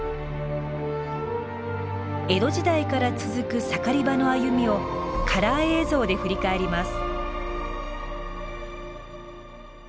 江戸時代から続く盛り場の歩みをカラー映像で振り返ります。